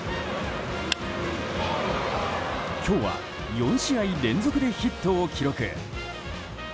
今日は、４試合連続でヒットを記録。